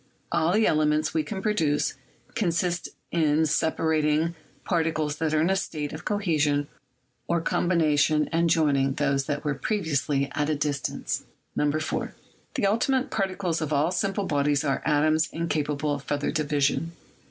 All the elements we can produce consist in separating particles that are in a state of cohesion or combination and joining those that were previously at a distance. 4. The ultimate particles of all simple bodies are atoms incapable of further division.